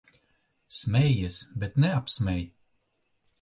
Smejies, bet neapsmej.